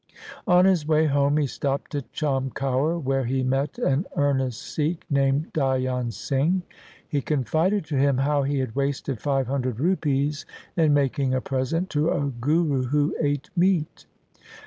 On his way home he stopped at Chamkaur where he met an earnest Sikh named Dhyan Singh. He confided to him how he had wasted five hundred rupees in making a present to a Guru who ate meat.